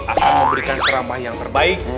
akan memberikan ceramah yang terbaik